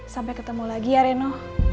sampai ketemu lagi ya reno